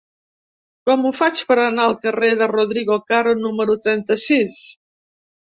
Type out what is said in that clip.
Com ho faig per anar al carrer de Rodrigo Caro número trenta-sis?